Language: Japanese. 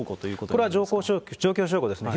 これは状況証拠ですね。